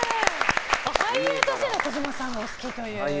俳優としての児嶋さんがお好きという増井さん。